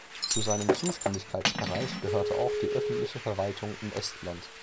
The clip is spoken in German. Zu seinem Zuständigkeitsbereich gehörte auch die öffentliche Verwaltung in Estland.